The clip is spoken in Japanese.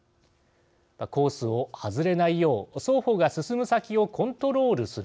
コースを外れないよう双方が進む先をコントロールする。